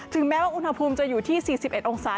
แม้ว่าอุณหภูมิจะอยู่ที่๔๑องศา